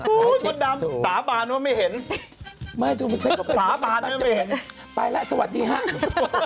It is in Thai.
แม่เช็คตัวสาปานว่าไม่เห็นสาปานว่าไม่เห็นไปแล้วสวัสดีค่ะโอ้โฮ